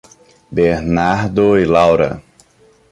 Bernardo e Laura